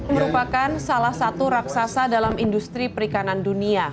merupakan salah satu raksasa dalam industri perikanan dunia